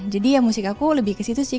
jadi ya musik aku lebih ke situ sih